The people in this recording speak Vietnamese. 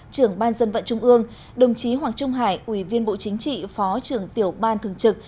trưởng ban dân vận trung ương đồng chí hoàng trung hải ủy viên bộ chính trị phó trưởng tiểu ban thường trực